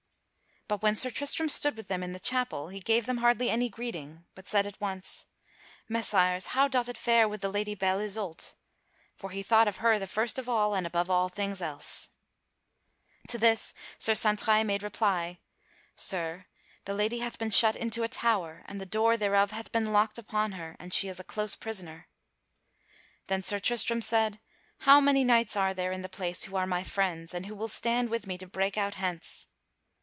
But when Sir Tristram stood with them in the chapel, he gave them hardly any greeting, but said at once: "Messires, how doth it fare with the Lady Belle Isoult?" For he thought of her the first of all and above all things else. To this Sir Santraille made reply: "Sir, the lady hath been shut into a tower, and the door thereof hath been locked upon her, and she is a close prisoner." Then Sir Tristram said: "How many knights are there in the place who are my friends, and who will stand with me to break out hence?"